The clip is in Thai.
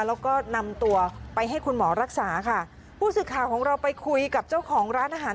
แล้วก็นำตัวไปให้คุณหมอรักษาค่ะผู้สื่อข่าวของเราไปคุยกับเจ้าของร้านอาหาร